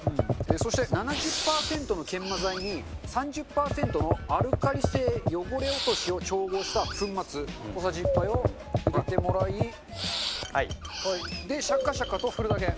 そして７０パーセントの研磨剤に３０パーセントのアルカリ性汚れ落としを調合した粉末小さじ１杯を入れてもらいでシャカシャカと振るだけ。